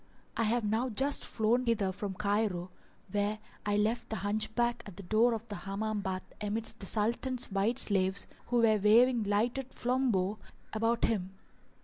I have now just flown hither from Cairo, where I left the Hunchback at the door of the Hammam bath amidst the Sultan's white slaves who were waving lighted flambeaux about him.